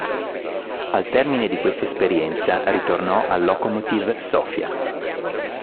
Al termine di questa esperienza, ritornò al Lokomotiv Sofia.